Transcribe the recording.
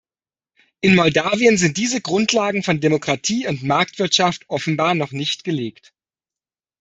In Moldawien sind diese Grundlagen von Demokratie und Marktwirtschaft offenbar noch nicht gelegt.